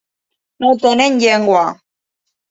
No tenen llengua.